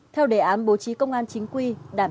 theo đề án bố trí công an chính quy